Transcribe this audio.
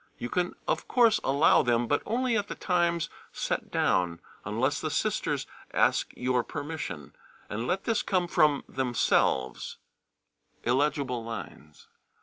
You can of course allow them, but only at the times set down, unless the Sisters ask your permission, and let this come from themselves (illegible lines).